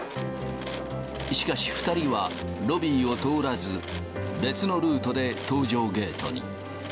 しかし、２人はロビーを通らず、別のルートで搭乗ゲートに。